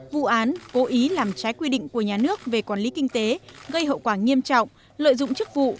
vụ án cố ý làm trái quy định của nhà nước về quản lý kinh tế gây hậu quả nghiêm trọng lợi dụng chức vụ